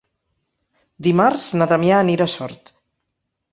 Dimarts na Damià anirà a Sort.